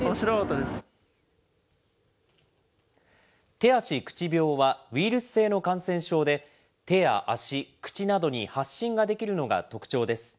手足口病はウイルス性の感染症で、手や足、口などに発疹が出来るのが特徴です。